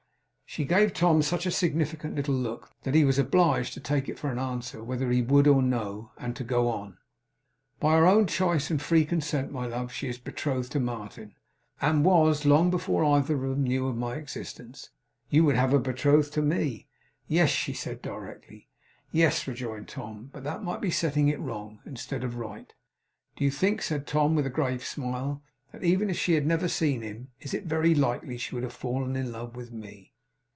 She gave Tom such a significant little look, that he was obliged to take it for an answer whether he would or no; and to go on. 'By her own choice and free consent, my love, she is betrothed to Martin; and was, long before either of them knew of my existence. You would have her betrothed to me?' 'Yes,' she said directly. 'Yes,' rejoined Tom, 'but that might be setting it wrong, instead of right. Do you think,' said Tom, with a grave smile, 'that even if she had never seen him, it is very likely she would have fallen in love with Me?